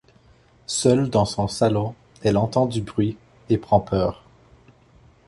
Seule dans son salon, elle entend du bruit et prend peur.